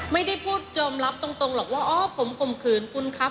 ไม่ได้พูดยอมรับตรงหรอกว่าอ๋อผมข่มขืนคุณครับ